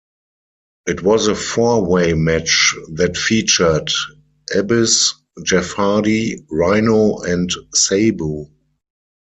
It was a four way match that featured Abyss, Jeff Hardy, Rhino and Sabu.